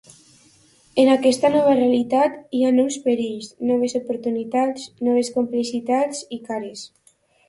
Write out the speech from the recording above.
En aquesta nova realitat, hi ha nous perills, noves oportunitats, noves complexitats i cares.